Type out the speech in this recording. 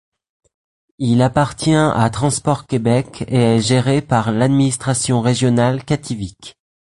Il appartient à Transports Québec et est géré par l'administration régionale Kativik.